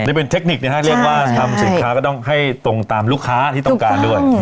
นี่เป็นเทคนิคนะฮะเรียกว่าทำสินค้าก็ต้องให้ตรงตามลูกค้าที่ต้องการด้วย